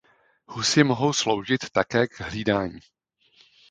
Husy mohou sloužit také k hlídání.